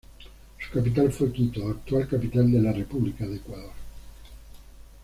Su capital fue Quito, actual capital de la República de Ecuador.